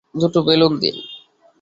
দুটো বেলুন দিন।